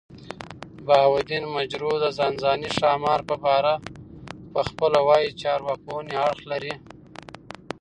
بهاوالدین مجروح د ځانځانۍ ښامارپه باره پخپله وايي، چي ارواپوهني اړخ لري.